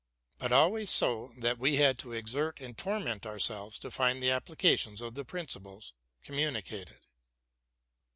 but always so that we had to exert and torment our selves to find the application of the principles communicated.